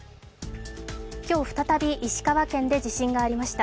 今日、再び、石川県で地震がありました。